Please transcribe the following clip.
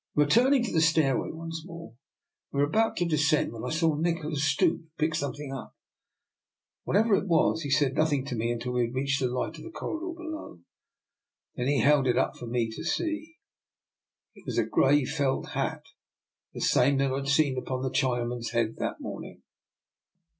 Returning to the stairway once more, we were about to de scend, when I saw Nikola stoop and pick something up. Whatever it was, he said nothing to me until we had reached the light of the corridor below. Then he held it up for me to see. It was a grey felt hat, the same that I had seen upon the Chinaman's head that morning.